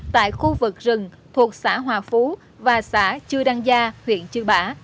tại khu vực rừng thuộc xã hòa phú và xã chư đăng gia huyện chư bả